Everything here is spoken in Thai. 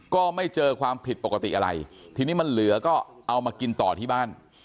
ก็ไม่เจอความผิดปกติอะไรทีนี้มันเหลือก็เอามากินต่อที่บ้าน